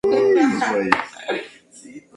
Desemboca en el Omaña en la localidad de Inicio.